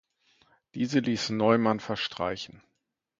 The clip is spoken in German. Diese ließ Neumann verstreichen.